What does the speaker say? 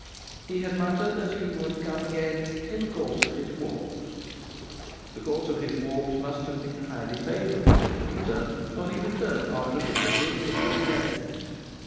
He had muttered that he would come "in the course of his walks." The course of his walks must have been highly favourable to his return, for he returned after an interval of a single day.